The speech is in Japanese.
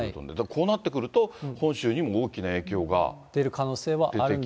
こうなってくると、本州にも大き出る可能性はあるんですが。